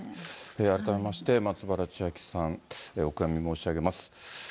改めまして、松原千明さん、お悔やみ申し上げます。